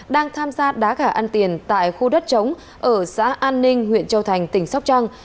đang tham gia đá gà ăn tiền tại khu đất chống ở xã an ninh huyện châu thành tỉnh sóc trăng